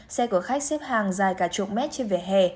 xe của khách xếp hàng dài cả chục mét trên vỉa hè